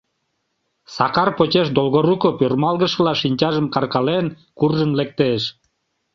Сакар почеш Долгоруков ӧрмалгышыла шинчажым каркален, куржын лектеш.